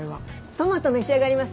トマト召し上がります？